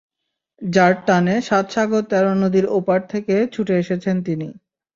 যার টানে সাত সাগর তেরো নদীর ওপার থেকে ছুটে এসেছেন তিনি।